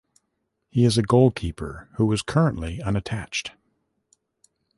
He is a goalkeeper who is currently unattached.